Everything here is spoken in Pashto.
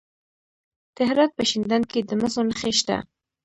د هرات په شینډنډ کې د مسو نښې شته.